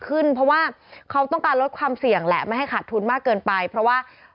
ขึ้นเพราะว่าเขาต้องการลดความเสี่ยงแหละไม่ให้ขาดทุนมากเกินไปเพราะว่า